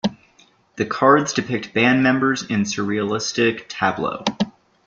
The cards depict band members in surrealistic tableau.